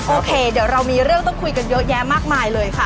โอเคเดี๋ยวเรามีเรื่องต้องคุยกันเยอะแยะมากมายเลยค่ะ